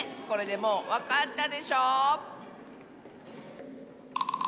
これでもうわかったでしょう？